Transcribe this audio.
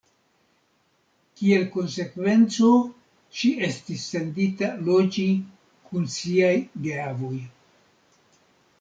Kiel konsekvenco, ŝi estis sendita loĝi kun siaj geavoj.